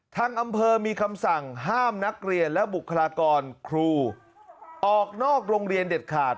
ทางอำเภอมีคำสั่งห้ามนักเรียนและบุคลากรครูออกนอกโรงเรียนเด็ดขาด